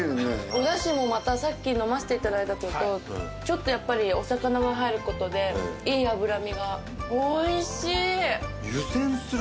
おだしもまたさっき飲ませて頂いたけどちょっとやっぱりお魚が入る事でいい脂身が。